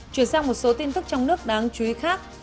chuyển sang một số tin tức trong nước đáng chú ý khác